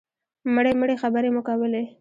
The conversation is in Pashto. مړې مړې خبرې مو کولې.